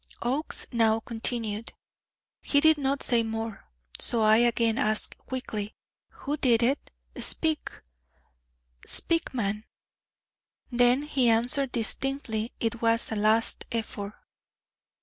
Oakes now continued: "He did not say more, so I again asked quickly, 'Who did it? Speak, man! Speak!' Then he answered distinctly it was a last effort."